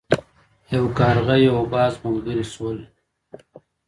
یو کارغه او یو باز ملګري شول.